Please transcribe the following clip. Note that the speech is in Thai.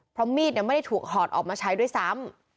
เพราะมีดไม่ได้ถูกหอดออกมาใช้ด้วยซ้ำ